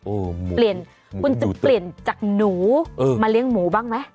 โอ้โหหมู